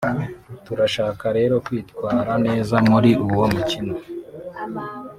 turashaka rero kwitwara neza muri uwo mukino